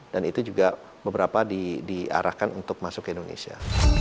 itu juga beberapa diarahkan untuk masuk ke indonesia